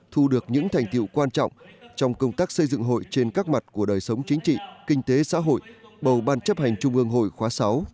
thu được những thành tiệu quan trọng trong công tác xây dựng hội trên các mặt của đời sống chính trị kinh tế xã hội bầu ban chấp hành trung ương hội khóa sáu